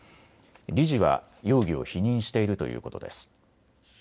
理事は容疑を否認しているということです。